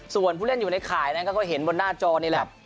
ส่วนผู้เล่นอยู่ในข่ายนั้นก็เห็นบนหน้าจอนี่แหละ